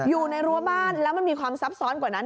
รั้วบ้านแล้วมันมีความซับซ้อนกว่านั้น